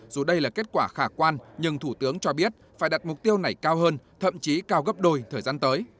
dù đây là kết quả khả quan nhưng thủ tướng cho biết phải đặt mục tiêu này cao hơn thậm chí cao gấp đôi thời gian tới